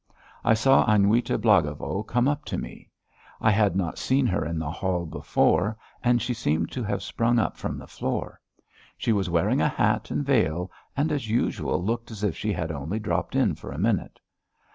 I saw Aniuta Blagovo come up to me. I had not seen her in the hall before and she seemed to have sprung up from the floor. She was wearing a hat and veil, and as usual looked as if she had only dropped in for a minute.